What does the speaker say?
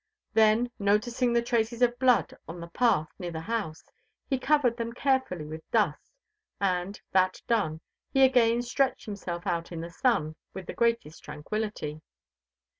Then, noticing the traces of blood on the path near the house, he covered them carefully with dust, and, that done, he again stretched himself out in the sun with the greatest tranquillity.